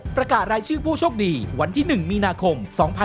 ประกาศรายชื่อผู้โชคดีวันที่๑มีนาคม๒๕๖๒